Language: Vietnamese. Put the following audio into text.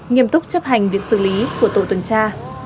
nghiêm túc chấp hành việc xử lý của tổ tuần tra